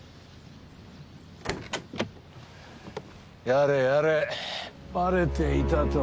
やれやれバレていたとはな。